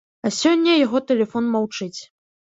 А сёння яго тэлефон маўчыць.